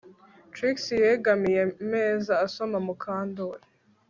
Trix yegamiye ameza asoma Mukandoli